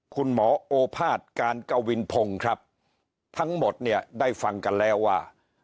คุณหมอโอภาษย์การกวินพงศ์ครับทั้งหมดเนี่ยได้ฟังกันแล้วว่า